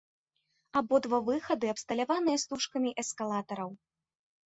Абодва выхады абсталяваныя стужкамі эскалатараў.